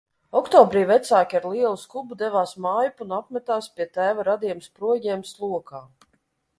Oktobrī vecāki ar lielu skubu devās mājup un apmetās pie tēva radiem Sproģiem Slokā.